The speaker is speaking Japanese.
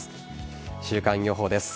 週間予報です。